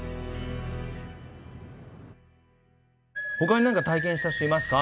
他に何か体験した人いますか？